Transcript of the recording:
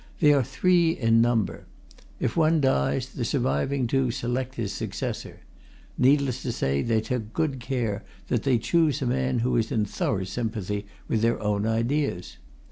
They are three in number. If one dies, the surviving two select his successor needless to say, they take good care that they choose a man who is in thorough sympathy with their own ideas.